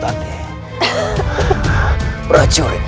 kita akan menangkap raka amuk marugul